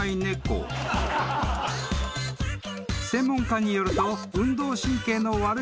［専門家によると］